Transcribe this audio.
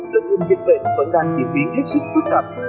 tất cả những việc về vẫn đang diễn biến hết sức phức tạp